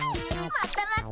またまた。